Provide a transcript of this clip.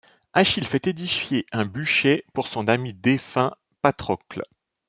Achille fait édifier un bûcher pour son ami défunt Patrocle.